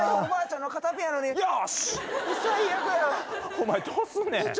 お前どうすんねん？